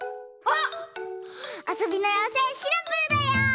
あそびのようせいシナプーだよ！